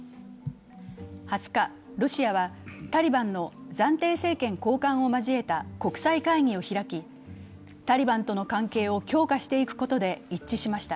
２０日、ロシアはタリバンの暫定政権高官を交えた国際会議を開き、タリバンとの関係を強化していくことで一致しました。